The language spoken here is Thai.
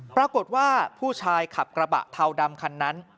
ปรากฏว่าผู้ชายขับกระบะเทาดำคันนั้น